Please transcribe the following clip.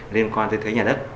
liên quan tới thuế nhà đất